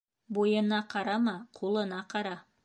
Буйына ҡарама, ҡулына ҡара.